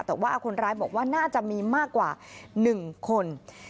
แต่ว่าคนร้ายบอกว่าน่าจะมีมากกว่า๑คน